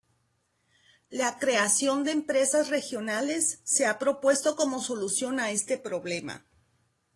La creación de empresas regionales se ha propuesto como solución a este problema.